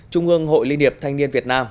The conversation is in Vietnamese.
trung ương hội liên hiệp thanh niên việt nam